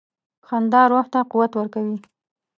• خندا روح ته قوت ورکوي.